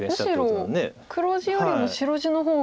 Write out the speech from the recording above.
むしろ黒地よりも白地の方が。